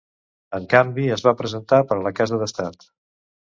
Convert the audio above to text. En canvi, es va presentar per a la Casa d'estat.